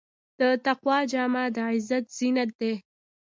د تقوی جامه د عزت زینت دی.